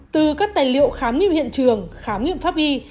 từ các tài liệu khám nghiệm hiện trường khám nghiệm pháp y